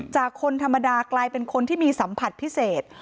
คนธรรมดากลายเป็นคนที่มีสัมผัสพิเศษ